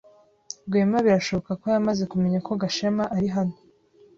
Rwema birashoboka ko yamaze kumenya ko Gashema ari hano.